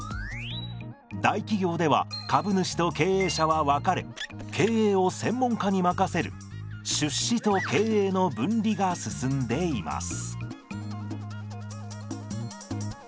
大企業では株主と経営者は分かれ経営を専門家に任せる出資と経営の分離が進んでいます。